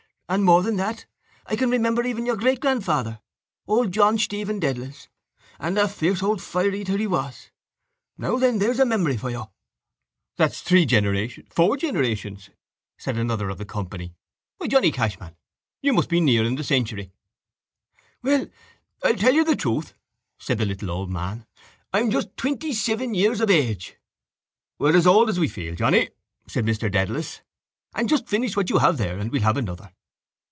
And, more than that, I can remember even your greatgrandfather, old John Stephen Dedalus, and a fierce old fire eater he was. Now, then! There's a memory for you! —That's three generations—four generations, said another of the company. Why, Johnny Cashman, you must be nearing the century. —Well, I'll tell you the truth, said the little old man. I'm just twentyseven years of age. —We're as old as we feel, Johnny, said Mr Dedalus. And just finish what you have there and we'll have another.